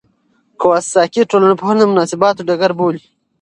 کواساکي ټولنپوهنه د مناسباتو ډګر بولي.